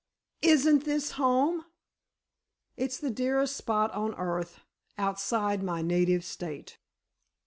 "Isn't this home?" "It's the dearest spot on earth—outside my native state."